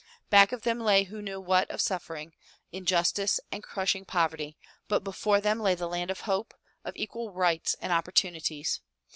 Back of them lay who knew what of suffering, injustice and crushing poverty, but before them lay the land of hope, of equal rights and opportunities.